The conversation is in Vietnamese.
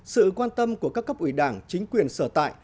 sự quan tâm của các cấp ủy đảng chính quyền sở tại